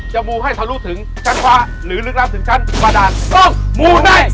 จะมูให้เธอรู้ถึงชั้นขวาหรือลึกล้ามถึงชั้น